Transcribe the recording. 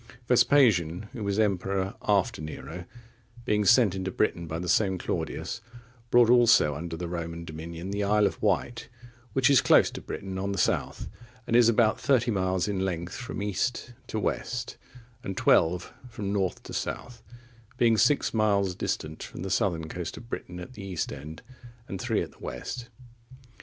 Vespasian,(40) who was emperor after Nero, being sent into Britain by the same Claudius, brought also under the Roman dominion the Isle of Wight, which is close to Britain on the south, and is about thirty miles in length from east to west, and twelve from north to south; being six miles distant from the southern coast of Britain at the east end, and three at the west.